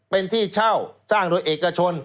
เป็นที่เช่าสร้างโดยเอกชน